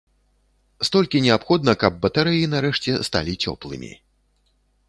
Столькі неабходна, каб батарэі нарэшце сталі цёплымі.